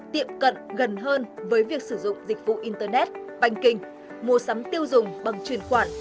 tiệm cận gần hơn với việc sử dụng dịch vụ internet banking mua sắm tiêu dùng bằng truyền khoản